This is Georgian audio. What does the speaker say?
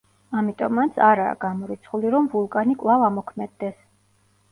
ამიტომაც, არაა გამორიცხული, რომ ვულკანი კვლავ ამოქმედდეს.